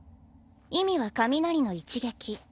意味は雷の一撃。